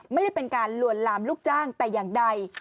ไม่ได้เป็นการลวนลามลูกจ้างแต่อย่างใด